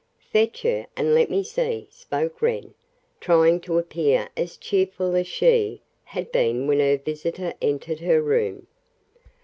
"Fetch her, and let me see," spoke Wren, trying to appear as cheerful as she, had been when her visitor entered her room.